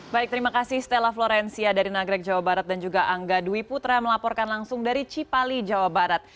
baik terima kasih stella florencia dari nagrek jawa barat dan juga angga dwi putra melaporkan langsung dari cipali jawa barat